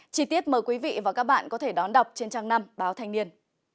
chí tiết mời quý vị và các bạn có thể đón đọc trên trang năm báo thanh niên